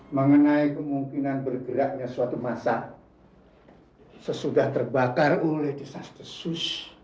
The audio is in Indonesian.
mengenai kemungkinan bergeraknya suatu masa sesudah terbakar oleh desas desus